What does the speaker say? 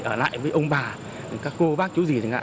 ở lại với ông bà các cô bác chú gì